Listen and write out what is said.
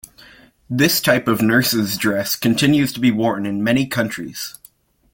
This type of nurse's dress continues to be worn in many countries.